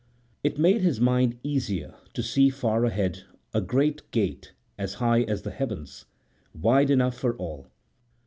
It made his mind easier to see far ahead a great gate as high as the heavens, wide enough for all.